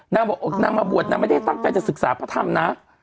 นางบอกนางมาบวชนางไม่ได้ตั้งใจจะศึกษาพระธรรมนะ